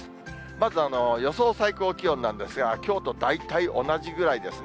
まず、予想最高気温なんですが、きょうと大体同じぐらいですね。